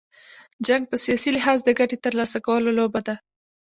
جنګ په سیاسي لحاظ، د ګټي تر لاسه کولو لوبه ده.